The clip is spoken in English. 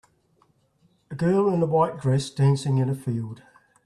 A girl in a white dress dancing in a field.